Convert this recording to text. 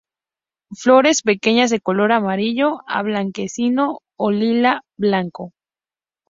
Flores pequeñas, de color amarillo a blanquecino o lila-blanco;.